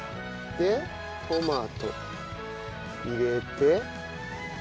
でトマト入れて。